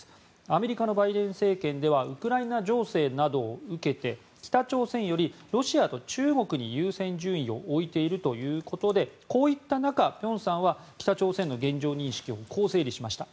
アメリカのバイデン政権ではウクライナ情勢などを受けて北朝鮮よりロシアと中国に優先順位を置いているということでこういった中、辺さんは北朝鮮の現状認識をこう整理しました。